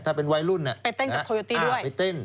ถ้าเป็นวัยรุ่นไปเต้นกับโคโยตี้ด้วยไปเต้น